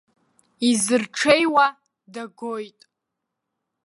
Изырҽеиуа дагоит.